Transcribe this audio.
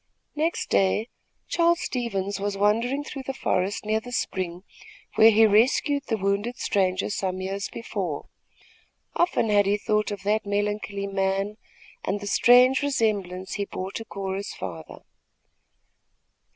Next day Charles Stevens was wandering through the forest near the spring where he rescued the wounded stranger some years before. Often had he thought of that melancholy man and the strange resemblance he bore to Cora's father.